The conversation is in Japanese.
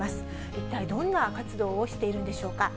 一体、どんな活動をしているんでしょうか。